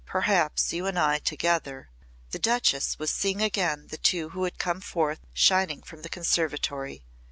Perhaps you and I together " The Duchess was seeing again the two who had come forth shining from the conservatory.